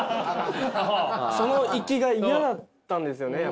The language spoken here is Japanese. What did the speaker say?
その行きが嫌だったんですよね。